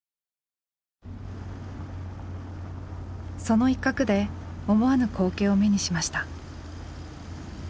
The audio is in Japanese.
その一角で思わぬ光景を目にしました。